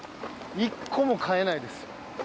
１個も買えないですよ。